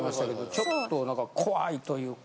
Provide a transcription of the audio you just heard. ちょっと何か怖いというか。